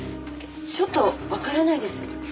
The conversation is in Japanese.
ちょっとわからないです。